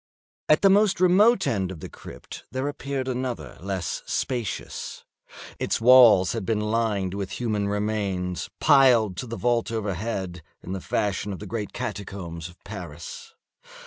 At the most remote end of the crypt there appeared another less spacious. Its walls had been lined with human remains, piled to the vault overhead, in the fashion of the great catacombs of Paris.